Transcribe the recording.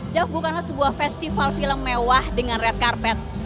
jav bukanlah sebuah festival film mewah dengan red carpet